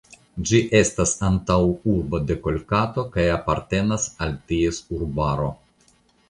Ĝi estas antaŭurbo de Kolkato kaj apartenas al ties urbaro.